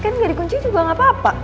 kan gak di kuncinya juga gak apa apa